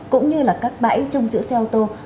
cũng như là các bãi trong giữa xe ô tô